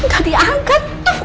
gak diangkat